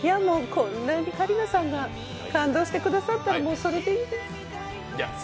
こんなに桂里奈さんが感動してくださったら、それでいいです。